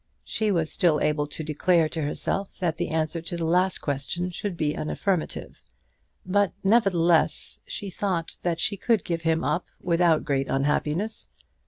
She was still able to declare to herself that the answer to the last question should be an affirmative; but, nevertheless, she thought that she could give him up without great unhappiness.